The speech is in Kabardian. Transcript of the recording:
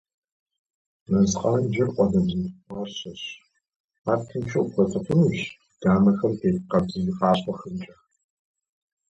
Мэз къанжэр къуалэбзу пӏащэщ, ар тыншу къыпхуэцӏыхунущ и дамэхэм тет къабзий къащхъуэхэмкӏэ.